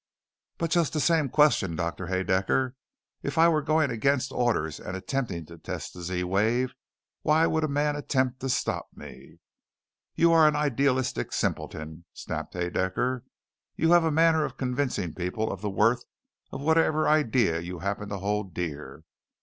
"But just the same question, Doctor Haedaecker; if I were going against orders and attempting to test the Z wave, why would a man attempt to stop me?" "You are an idealistic simpleton," snapped Haedaecker. "You have a manner of convincing people of the worth of whatever idea you happen to hold dear.